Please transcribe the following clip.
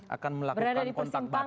akan melakukan kontak batin